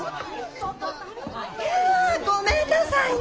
いやごめんなさいね。